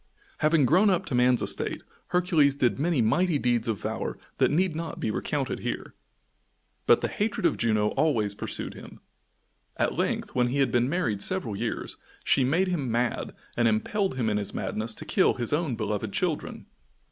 Having grown up to man's estate, Hercules did many mighty deeds of valor that need not be recounted here. But the hatred of Juno always pursued him. At length, when he had been married several years, she made him mad and impelled him in his madness to kill his own beloved children!